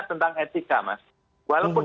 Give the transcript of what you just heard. tentang etika mas walaupun